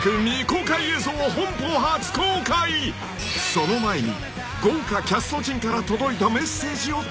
［その前に］